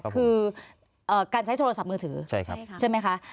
คือการใช้โทรศัพท์มือถือใช่ไหมคะ